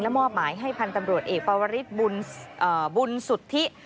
และหมอบหมายให้พันธุ์ตำรวจเอกปราวริสต์บุญสุดที่